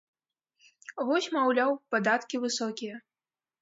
Вось, маўляў, падаткі высокія.